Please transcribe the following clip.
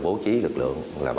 đối tượng là